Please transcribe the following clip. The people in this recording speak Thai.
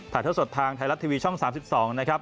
เท่าสดทางไทยรัฐทีวีช่อง๓๒นะครับ